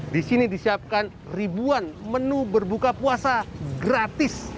di sini disiapkan ribuan menu berbuka puasa gratis